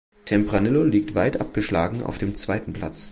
Tempranillo liegt weit abgeschlagen auf dem zweiten Platz.